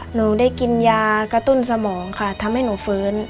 หนูได้กินยากระตุ้นสมองค่ะทำให้หนูฟื้น